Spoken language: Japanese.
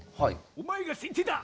「お前が先手だ！」。